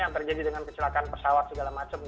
yang terjadi dengan kecelakaan pesawat segala macam